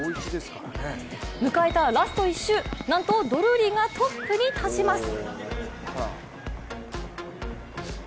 迎えたラスト１周、なんとドルーリーがトップに立ちます。